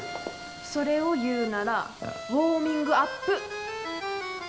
それを言うなら「ウォーミングアップ」！